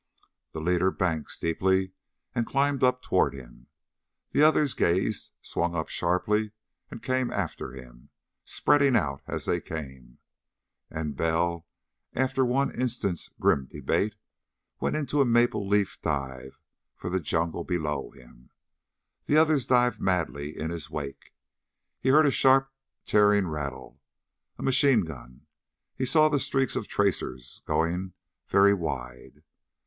The leader banked steeply and climbed upward toward him. The others gazed, swung sharply, and came after him, spreading out as they came. And Bell, after one instant's grim debate, went into a maple leaf dive for the jungle below him. The others dived madly in his wake. He heard a sharp, tearing rattle. A machine gun. He saw the streaks of tracers going very wide.